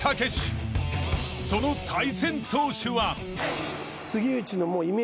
［その対戦投手は］